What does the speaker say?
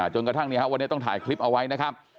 จนกระทั่งวันนี้ต้องถ่ายคลิปเอาไว้นะครับ